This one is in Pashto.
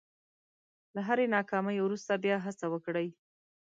له هرې ناکامۍ وروسته بیا هڅه وکړئ.